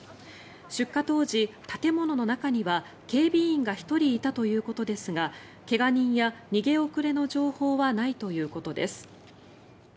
出火当時、建物の中には警備員が１人いたということですが怪我人や逃げ遅れの情報はないということです。